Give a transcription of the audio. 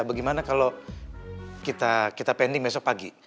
bagaimana kalau kita pending besok pagi